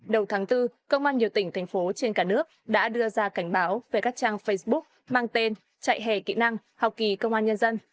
đầu tháng bốn công an nhiều tỉnh thành phố trên cả nước đã đưa ra cảnh báo về các trang facebook mang tên trại hè kỹ năng học kỳ công an nhân dân